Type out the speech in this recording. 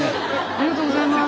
ありがとうございます。